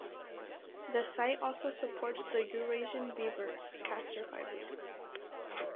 The site also supports the Eurasian beaver ("Castor fiber").